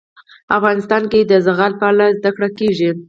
افغانستان کې د زغال په اړه زده کړه کېږي.